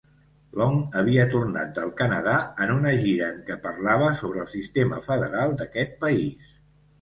Long havia tornat del Canadà en una gira en què parlava sobre el sistema federal d'aquest país.